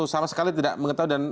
sama sekali tidak mengetahui